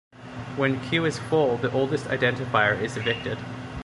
When Q is full the oldest identifier is evicted.